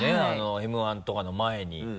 Ｍ−１とかの前に。